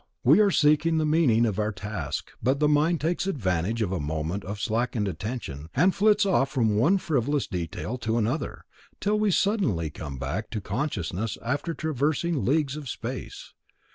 We are seeking the meaning of our task, but the mind takes advantage of a moment of slackened attention, and flits off from one frivolous detail to another, till we suddenly come back to consciousness after traversing leagues of space.